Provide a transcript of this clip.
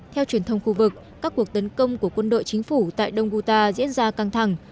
theo truyền thông khu vực các cuộc tấn công của quân đội chính phủ tại đông guta diễn ra căng thẳng